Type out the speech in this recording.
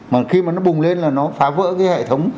mà khi mà nó bùng lên là nó phá vỡ cái hệ thống